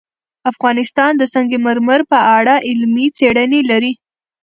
افغانستان د سنگ مرمر په اړه علمي څېړنې لري.